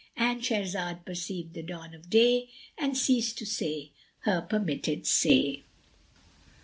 "—And Shahrazad perceived the dawn of day and ceased to say her permitted say.